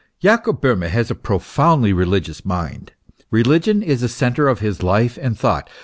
Jacob Bohme has a profoundly religious mind. Eeligion is the centre of his life and thought.